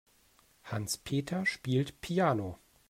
Hans-Peter spielt Piano.